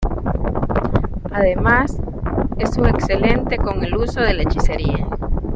Además, es un excelente con el uso de la hechicería.